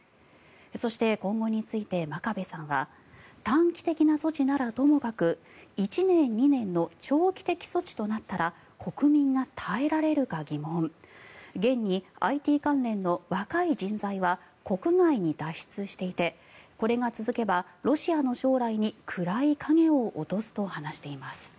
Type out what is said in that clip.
そして今後について真壁さんは短期的な措置ならともかく１年２年の長期的措置となったら国民が耐えられるか疑問現にＩＴ関連の若い人材は国外に脱出していてこれが続けばロシアの将来に暗い影を落とすと話しています。